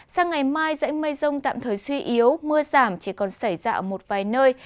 sang ngày mai dãy mây rông tạm thời suy yếu mưa giảm chỉ còn xảy ra ở một vài nơi